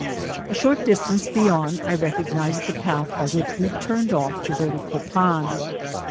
A short distance beyond I recognised the path by which we turned off to go to Copan.